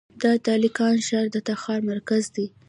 د تالقان ښار د تخار مرکز دی